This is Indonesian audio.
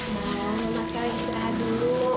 nah mas kary istirahat dulu